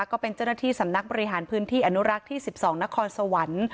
ก็เป็นเจ้าหน้าที่สำนักบริหารพื้นที่อนุรักษ์ที่๑๒นครสวรรค์